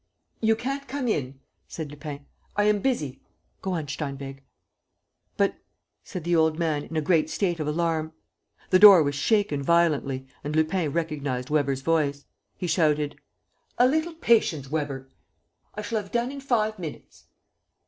"You can't come in," said Lupin. "I am busy. ... Go on, Steinweg." "But ..." said the old man, in a great state of alarm. The door was shaken violently and Lupin recognized Weber's voice. He shouted: "A little patience, Weber. I shall have done in five minutes."